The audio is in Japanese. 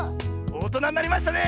おとなになりましたね！